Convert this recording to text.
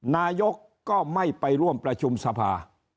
นายกก็ไม่ไปร่วมประชุมสภา